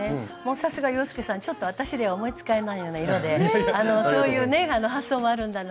さすが洋輔さんちょっと私では思いつかないような色でそういう発想もあるんだなと思いました。